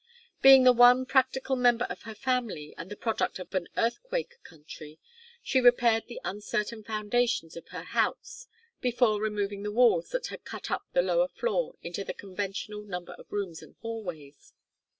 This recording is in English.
Being the one practical member of her family, and the product of an earthquake country, she repaired the uncertain foundations of her house before removing the walls that had cut up the lower floor into the conventional number of rooms and hallways.